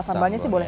sambalnya sih boleh